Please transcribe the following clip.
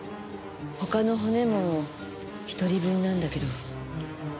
他の骨も１人分なんだけど。